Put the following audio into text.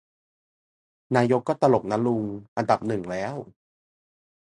นายกก็ตลกนะลุง อันดับหนึ่งแล้ว